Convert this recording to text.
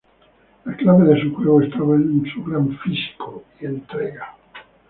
La clave de su juego estaba en su gran físico y entrega.